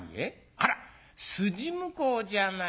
あら筋向こうじゃないか。